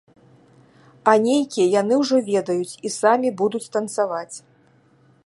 А нейкія яны ўжо ведаюць і самі будуць танцаваць.